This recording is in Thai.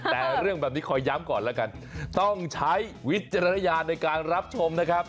แต่เรื่องแบบนี้คอยย้ำก่อนแล้วกันต้องใช้วิจารณญาณในการรับชมนะครับ